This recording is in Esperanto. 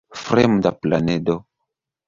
Fremda planedo.